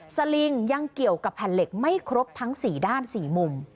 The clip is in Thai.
สลิงยังเกี่ยวกับแผ่นเหล็กไม่ครบทั้ง๔ด้าน๔มุม